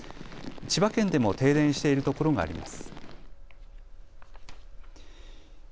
千葉県でも停電しているところがあります。